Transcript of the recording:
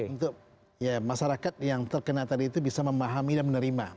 untuk ya masyarakat yang terkena tadi itu bisa memahami dan menerima